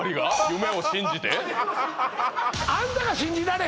夢を信じて？